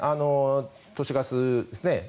都市ガスですね。